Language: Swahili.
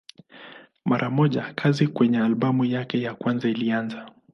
Mara moja kazi kwenye albamu yake ya kwanza ilianza.